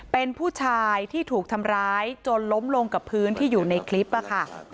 เป็นผู้ชายที่ถูกทำร้ายจนล้มลงกับพื้นที่อยู่ในคลิปค่ะ